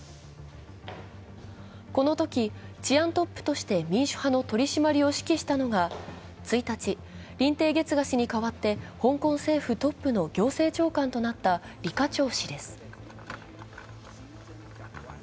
このとき治安トップとして民主派の取り締まりを指揮したのが１日、林鄭月娥氏に代わって香港政府トップの行政長官となった李家超氏です。